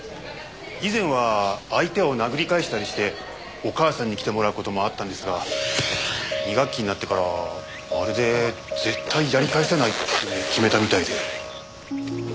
以前は相手を殴り返したりしてお母さんに来てもらう事もあったんですが２学期になってからはまるで絶対やり返さないって決めたみたいで。